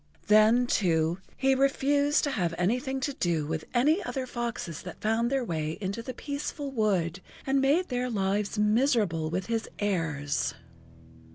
Then, too, he refused to have anything to do with any other foxes that found their way into the peaceful wood, and made their lives miserable with his airs.